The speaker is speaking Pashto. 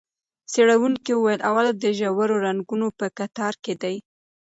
څېړونکو وویل، اولو د ژورو رنګونو په کتار کې دی.